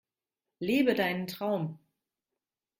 Lebe deinen Traum!